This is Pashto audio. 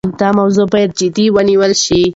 دا موضوع باید جدي ونیول شي.